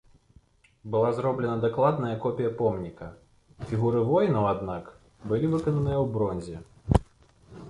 Была зробленая дакладная копія помніка, фігуры воінаў, аднак, былі выкананыя ў бронзе.